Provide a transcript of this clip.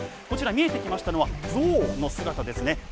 こちら見えてきましたのはゾウのすがたですね。